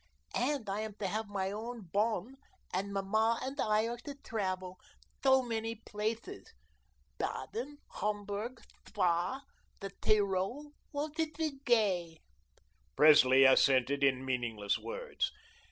And I am to have my own bonne, and Mamma and I are to travel so many places, Baden, Homburg, Spa, the Tyrol. Won't it be gay?" Presley assented in meaningless words.